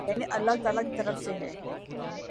یعنی اﷲ تعالی کی طرف سے ہے۔